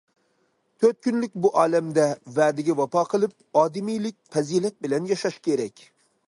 تۆت كۈنلۈك بۇ ئالەمدە ۋەدىگە ۋاپا قىلىپ، ئادىمىيلىك پەزىلەت بىلەن ياشاش كېرەك.